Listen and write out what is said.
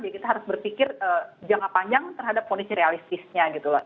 jadi kita harus berpikir jangka panjang terhadap kondisi realistisnya gitu loh